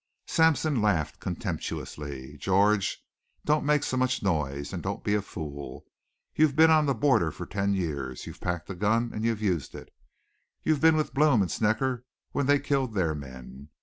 Sampson laughed contemptuously. "George, don't make so much noise. And don't be a fool. You've been on the border for ten years. You've packed a gun and you've used it. You've been with Blome and Snecker when they killed their men.